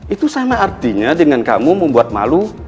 itu sama artinya dengan kamu membuat malu